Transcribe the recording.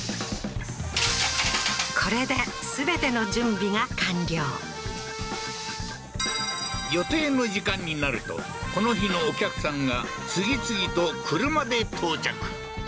これで全ての準備が完了予定の時間になるとこの日のお客さんが次々と車で到着